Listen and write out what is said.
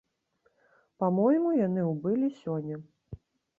Па-мойму, яны ўбылі сёння.